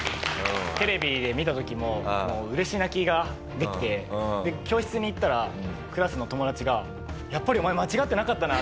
テレビで見た時も嬉し泣きができて教室に行ったらクラスの友達が「やっぱりお前間違ってなかったな」